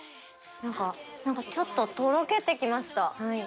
何かちょっととろけてきました。